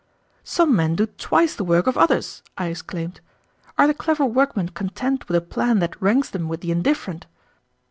"Some men do twice the work of others!" I exclaimed. "Are the clever workmen content with a plan that ranks them with the indifferent?"